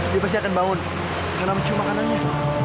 dia pasti akan bangun karena cuma makanannya